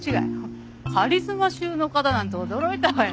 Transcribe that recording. カリスマ収納家だなんて驚いたわよ。